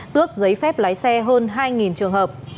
tước giấy phép lái xe hơn hai trường hợp